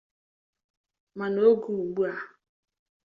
Mana oge ugbua